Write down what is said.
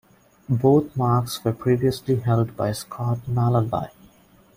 Both marks were previously held by Scott Mellanby.